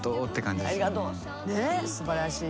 ねっすばらしい。